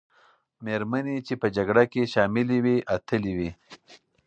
مېرمنې چې په جګړه کې شاملي وې، اتلې وې.